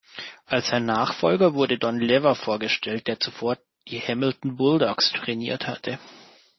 Als sein Nachfolger wurde Don Lever vorgestellt, der zuvor die Hamilton Bulldogs trainiert hatte.